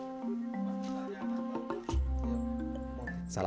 pembeli pembeli yang menghasilkan kain geringsing itu